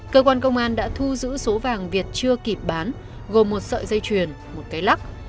cơ quan công an đã thu giữ số vàng việt chưa kịp bán gồm một sợi dây chuyền một cái lắc